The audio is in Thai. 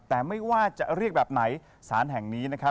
แต่ไม่ว่าจะเรียกแบบไหนสารแห่งนี้นะครับ